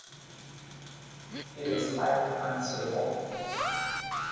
It is highly unstable.